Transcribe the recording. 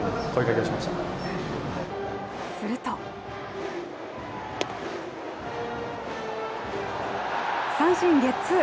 すると三振ゲッツー。